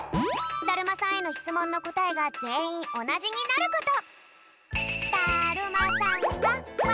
だるまさんへのしつもんのこたえがぜんいんおなじになること。